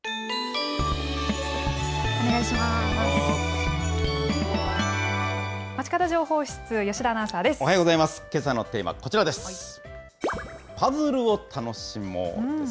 お願いします。